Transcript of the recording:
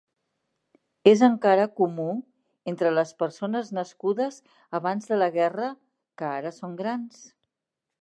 Es encara comú entre les persones nascudes abans de la guerra, que ara són grans.